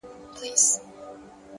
علم د انسان وړتیا لوړوي.!